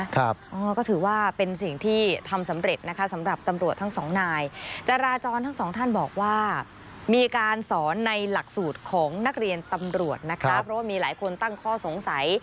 ก็คิดว่าทำรวจนะครับเพราะว่ามีหลายคนตั้งข้อสงสัย